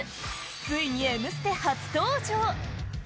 ついに「Ｍステ」初登場！